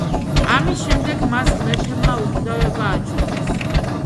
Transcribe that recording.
ამის შემდეგ მას ღმერთებმა უკვდავება აჩუქეს.